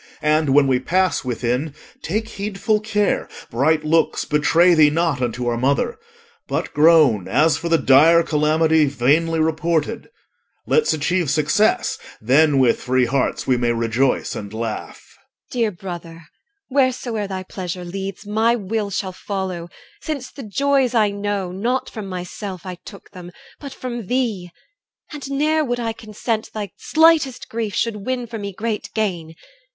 And, when we pass within, take heedful care Bright looks betray thee not unto our mother. But groan as for the dire calamity Vainly reported: Let's achieve success, Then with free hearts we may rejoice and laugh. EL. Dear brother, wheresoe'er thy pleasure leads, My will shall follow, since the joys I know, Not from myself I took them, but from thee. And ne'er would I consent thy slightest grief Should win for me great gain.